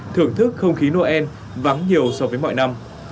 thưởng thức không khí noel vắng nhiều so với mọi năm